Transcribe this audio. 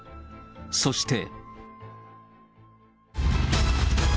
そして。